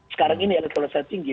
sekarang ini elektronisnya tinggi